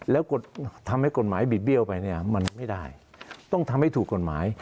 แล้วทำให้กฎหมายบิดเบี้ยวไปเนี่ยมันไม่ได้ต้องทำให้ถูกกฎหมาย